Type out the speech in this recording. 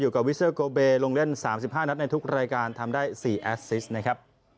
อยู่กับวิเซอร์โกเบลงเล่นสามสิบห้านัดในทุกรายการทำได้สี่นะครับ